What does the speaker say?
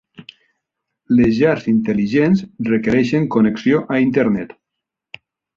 Les llars intel·ligents requereixen connexió a internet.